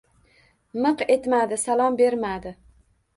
Miq etmadi. Salom bermadi.